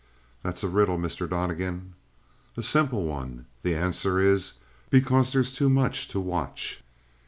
"That's a riddle, Mr. Donnegan." "A simple one. The answer is, because there's too much to watch."